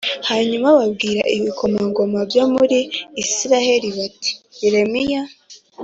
Hanyuma babwira ibikomangoma byo muri Isirayeli bati Yeremiya